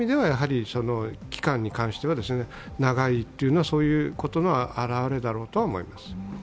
期間に関しては、長いというのはそういうことの現れだろうとは思います。